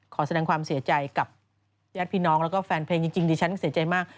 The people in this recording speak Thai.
ขอแสดงความเสียใจกับญาติพี่น้องแล้วก็แฟนเพลงจริงดิฉันเสียใจมาก